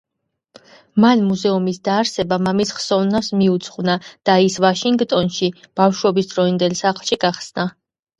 მან მუზეუმის დაარსება მამის ხსოვნას მიუძღვნა და ის ვაშინგტონში, ბავშვობისდროინდელ სახლში გახსნა.